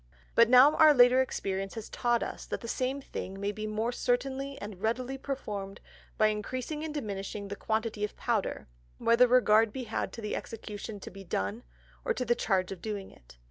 But now our later Experience has taught us that the same thing may be more certainly and readily performed by increasing and diminishing the quantity of Powder, whether regard be had to the Execution to be done, or to the Charge of doing it.